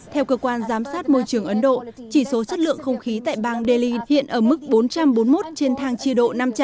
theo cơ quan giám sát môi trường ấn độ chỉ số chất lượng không khí tại bang delhi hiện ở mức bốn trăm bốn mươi một trên thang chia độ năm trăm linh